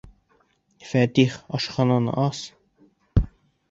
Фәтих, ашхананы ас!